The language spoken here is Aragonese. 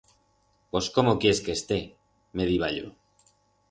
Pos cómo quiers que esté?, me diba yo.